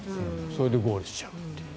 それでゴールしちゃうっていう。